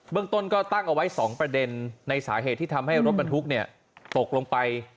เรื่องต้นก็ตั้งเอาไว้๒ประเด็นในสาเหตุที่ทำให้รถบรรทุกตกลงไป